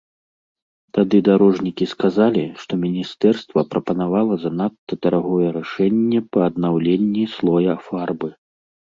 Тады дарожнікі сказалі, што міністэрства прапанавала занадта дарагое рашэнне па аднаўленні слоя фарбы.